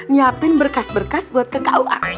siapin berkas berkas buat ke kuak